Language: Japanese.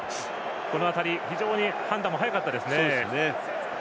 この辺り、非常に判断も早かったですね。